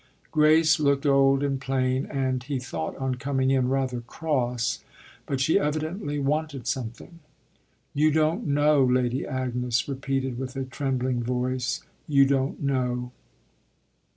Grace looked old and plain and he had thought on coming in rather cross, but she evidently wanted something. "You don't know," Lady Agnes repeated with a trembling voice, "you don't know."